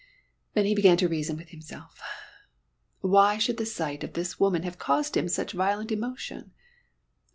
Then he began to reason with himself. Why should the sight of this woman have caused him such violent emotion?